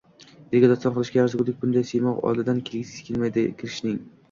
—elga doston qilishga arzigulik bunday siymo oldidan ketgisi kelmaydi kishining.